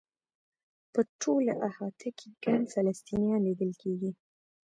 په ټوله احاطه کې ګڼ فلسطینیان لیدل کېږي.